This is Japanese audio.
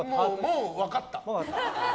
もう分かった！